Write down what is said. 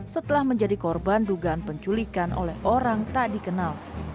setelah menjadi korban dugaan penculikan oleh orang tak dikenal